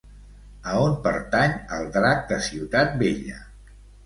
A on pertany el Drac de Ciutat Vella?